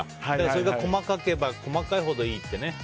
それが細かければ細かいほどいいってね。